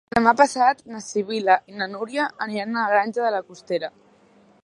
Demà passat na Sibil·la i na Núria aniran a la Granja de la Costera.